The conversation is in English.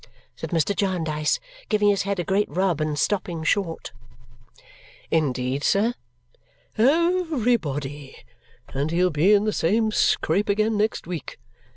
said Mr. Jarndyce, giving his head a great rub and stopping short. "Indeed, sir?" "Everybody! And he'll be in the same scrape again next week!"